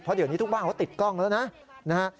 เพราะเดี๋ยวนี้ทุกบ้านเขาติดกล้องแล้วนะนะฮะ